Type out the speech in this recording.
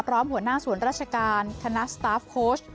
พร้อมหัวหน้าสวนราชการคณะสตาฟโค้ช